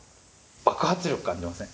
爆発力感じません？